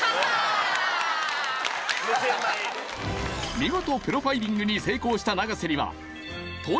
見事プロファイリングに成功した永瀬にはすごっ！